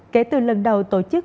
kể từ lần đầu tổ chức